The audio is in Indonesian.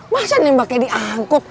masa nembaknya diangkut